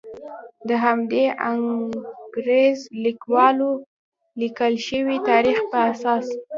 د همدې انګریز لیکوالو لیکل شوي تاریخ په اساس.